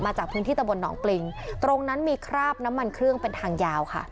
จากพื้นที่ตะบนหนองปริงตรงนั้นมีคราบน้ำมันเครื่องเป็นทางยาวค่ะ